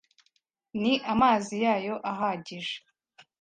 Ni amazi yayo ahagije